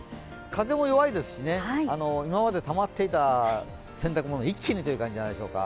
風も弱いですし、今までたまっいた洗濯物を一気にという感じじゃないでしょうか。